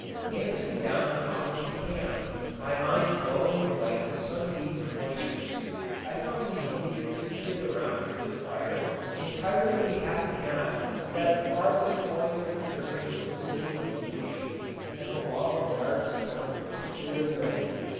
Dancing down the mountain to camp, my mind glowing like the sunbeaten glaciers, I found the Indians seated around a good fire, entirely happy now that the farthest point of the journey was safely reached and the long, dark storm was cleared away.